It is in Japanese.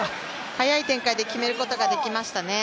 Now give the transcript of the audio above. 速い展開で決めることができましたね。